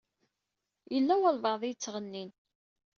Yella walebɛaḍ i yettɣennin.